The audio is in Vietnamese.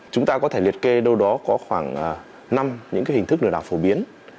chúng ta có thể liệt kê đâu đó có khoảng năm những hình thức lừa đảo phổ biến